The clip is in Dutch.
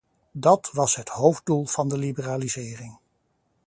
Dat was het hoofddoel van de liberalisering.